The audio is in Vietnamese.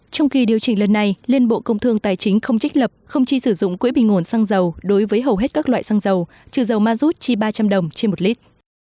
trong kỳ điều chỉnh lần này liên bộ công thương tài chính không trích lập không chi sử dụng quỹ bình nguồn xăng dầu đối với hầu hết các loại xăng dầu trừ dầu ma rút chi ba trăm linh đồng trên một lít